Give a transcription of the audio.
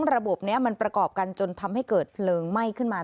ระบบนี้มันประกอบกันจนทำให้เกิดเพลิงไหม้ขึ้นมา